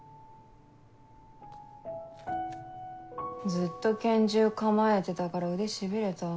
ずっと拳銃構えてたから腕しびれた。